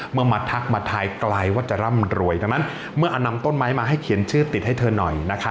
มาทักมาทายไกลว่าจะร่ำรวยดังนั้นเมื่อนำต้นไม้มาให้เขียนชื่อติดให้เธอหน่อยนะคะ